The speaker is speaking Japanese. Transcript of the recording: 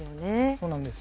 そうなんです。